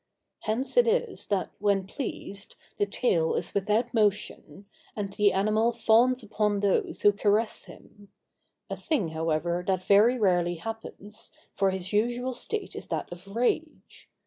Hence it is that, when pleased, the tail is without motion, and the animal fawns upon those who caress him; a thing, however, that very rarely happens, for his usual state is that of rage.